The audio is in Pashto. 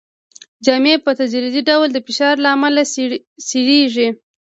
جامې په تدریجي ډول د فشار له امله څیریږي.